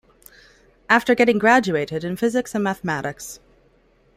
After getting graduated in physics and mathematics.